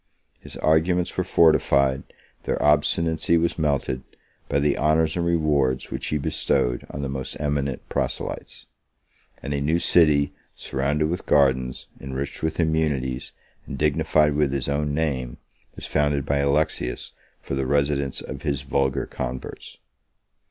His arguments were fortified, their obstinacy was melted, by the honors and rewards which he bestowed on the most eminent proselytes; and a new city, surrounded with gardens, enriched with immunities, and dignified with his own name, was founded by Alexius for the residence of his vulgar converts.